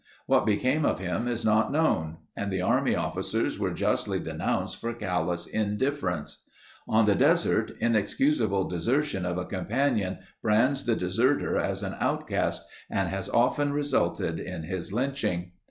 What became of him is not known and the army officers were justly denounced for callous indifference. On the desert, inexcusable desertion of a companion brands the deserter as an outcast and has often resulted in his lynching.